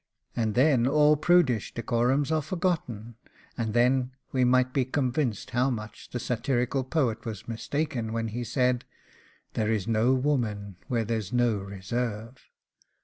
and then all prudish decorums are forgotten, and then we might be convinced how much the satirical poet was mistaken when he said There is no woman where there's no reserve.